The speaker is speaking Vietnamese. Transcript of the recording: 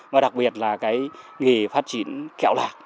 và đặc biệt là cái nghề phát triển kẹo lạc